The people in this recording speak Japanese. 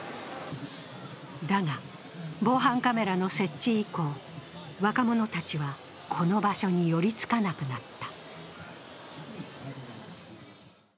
だが、防犯カメラの設置以降、若者たちはこの場所に寄りつかなくなった。